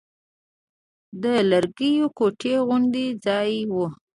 د لرګيو کوټنۍ غوندې ځاى و.